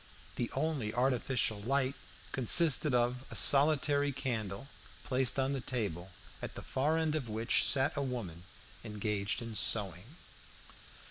The only artificial light consisted of a solitary candle placed on the table, at the far end of which sat a woman engaged in sewing.